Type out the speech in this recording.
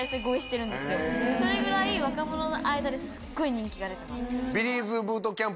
それぐらい若者の間ですっごい人気が出てます。